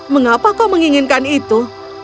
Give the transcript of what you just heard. mengapa kau menginginkan itu